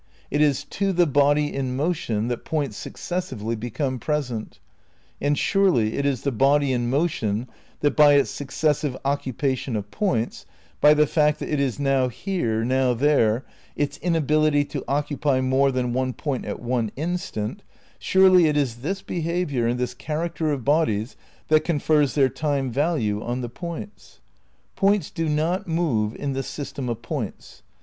It is to the body in motion that points successively become present; and surely it is the body in motion that by its succes sive occupation of points, by the fact that it is now here, now there, its inability to occupy more than one point at one instant — surely it is this behaviour and this character of bodies that confers their time value on the points? Points do not move in the si/stem of points.